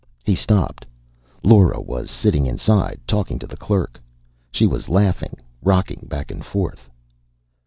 He stopped. Lora was sitting inside, talking to the clerk. She was laughing, rocking back and forth.